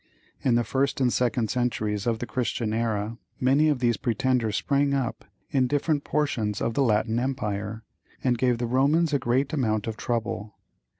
In the first and second centuries of the Christian era many of these pretenders sprang up in different portions of the Latin empire, and gave the Romans a great amount of trouble.